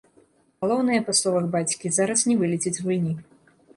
Галоўнае, па словах бацькі, зараз не вылецець з гульні.